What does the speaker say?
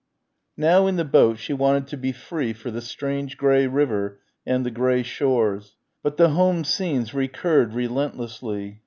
Now, in the boat she wanted to be free for the strange grey river and the grey shores. But the home scenes recurred relentlessly.